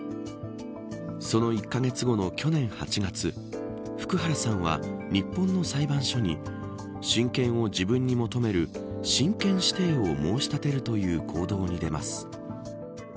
その１カ月後の去年８月福原さんは日本の裁判所に親権を自分に求める親権指定を申し立てるという行動に出ます。